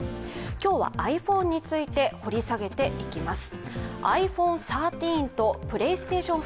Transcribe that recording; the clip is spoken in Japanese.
今日はｉＰｈｏｎｅについて掘り下げていきます。